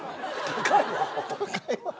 高いわ。